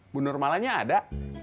bu nurmalanya ada